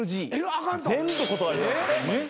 全部断りました。